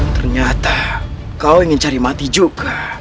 ternyata kau ingin cari mati juga